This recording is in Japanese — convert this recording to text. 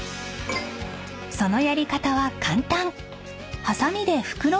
［そのやり方は簡単！］